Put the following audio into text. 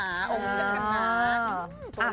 โอเคแล้วกันค่ะ